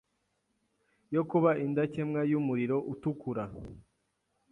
yo kuba indakemwa yumuriro utukura